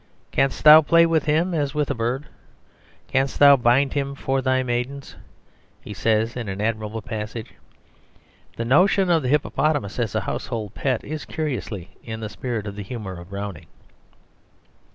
"Canst thou play with him as with a bird, canst thou bind him for thy maidens?" he says in an admirable passage. The notion of the hippopotamus as a household pet is curiously in the spirit of the humour of Browning.